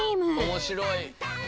面白い。